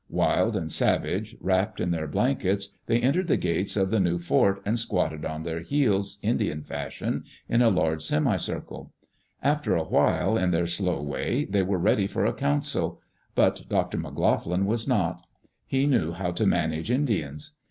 Wild and savage, wrapped in their blankets, they entered the gates of the new fort and squatted on their heels, Indian fashion, in a large semicircle. After a while, in their slow way, they were ready for a council. But Dr. McLoughlin was not. He Digitized by VjOOQ IC EARLY DAYS IN OLD OREGON knew how to manage Indians.